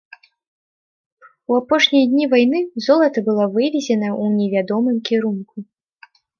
У апошнія дні вайны золата было вывезенае ў невядомым кірунку.